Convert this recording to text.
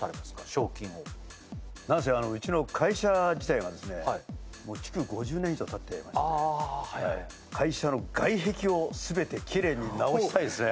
賞金を何せうちの会社自体がですねもう築５０年以上たってまして会社の外壁を全てキレイに直したいですね